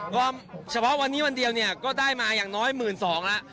ก็เฉพาะวันนี้วันเดียวเนี่ยก็ได้มาอย่างน้อย๑๒๐๐แล้ว